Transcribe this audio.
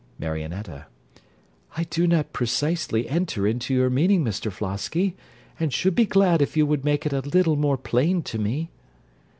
MARIONETTA I do not precisely enter into your meaning, Mr Flosky, and should be glad if you would make it a little more plain to me.